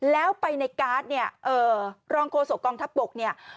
แล้วไปในการ์ดรองโคโสกองทับปก